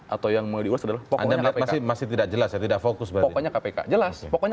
atau yang mau diurus dulu pokoknya masih masih tidak jelas tidak fokus pokoknya kpk jelas pokoknya